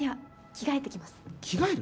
着替える？